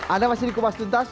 anda masih di kupas tuntas